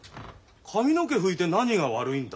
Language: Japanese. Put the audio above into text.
髪の毛拭いて何が悪いんだ？